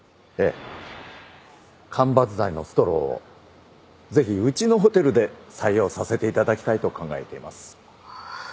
間伐材のストローをぜひうちのホテルで採用させていただきたいと考えています。